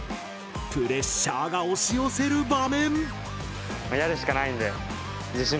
プレッシャーが押し寄せる場面！